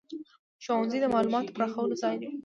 ښوونځی د معلوماتو پراخولو ځای دی.